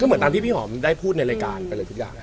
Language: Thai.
เหมือนตามที่พี่หอมได้พูดในรายการไปเลยทุกอย่าง